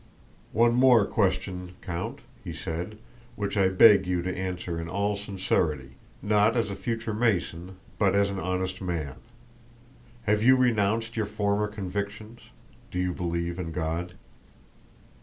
"One more question, Count," he said, "which I beg you to answer in all sincerity—not as a future Mason but as an honest man: have you renounced your former convictions—do you believe in God?"